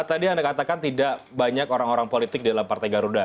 tadi anda katakan tidak banyak orang orang politik di dalam partai garuda